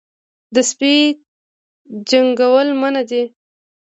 د سپي جنګول منع دي